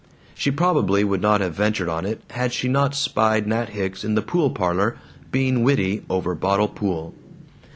She probably would not have ventured on it had she not spied Nat Hicks in the pool parlor, being witty over bottle pool.